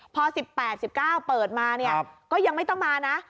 พอ๑๘๑๙เปิดมาเนี่ยก็ยังไม่ต้องมานะ